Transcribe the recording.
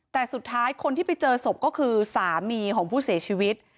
แต่สุดท้ายคนที่ไปเจอศพก็คือสามีของผู้เสียชีวิต